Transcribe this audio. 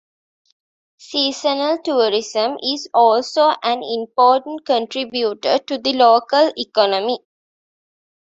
Seasonal tourism is also an important contributor to the local economy.